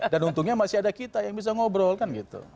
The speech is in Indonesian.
dan untungnya masih ada kita yang bisa ngobrol kan gitu